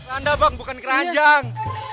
keranda bang bukan keranjang